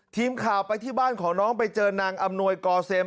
ทีมข่าวไปที่บ้านของน้องไปเจอนางอำนวยกอเซม